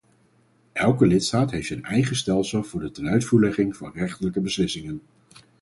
Elke lidstaat heeft zijn eigen stelsel voor de tenuitvoerlegging van rechterlijke beslissingen.